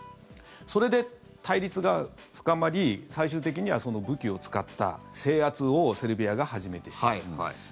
それで対立が深まり最終的には武器を使った制圧をセルビアが始めてしまった。